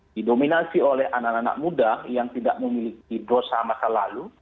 didominasi oleh anak anak muda yang tidak memiliki dosa masa lalu